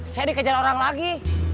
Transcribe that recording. saya dikejar orang lagi